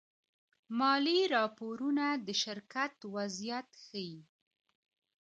مالي راپورونه د شرکت وضعیت ښيي.